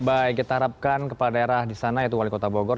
baik kita harapkan kepala daerah di sana yaitu wali kota bogor